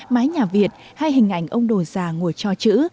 mái nhà việt hay hình ảnh ông đồ già ngồi cho chữ